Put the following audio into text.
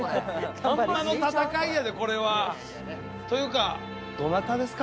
ホンマの戦いやでこれは。というかどなたですか？